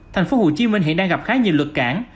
thành phố hồ chí minh hiện đang gặp khá nhiều lực cản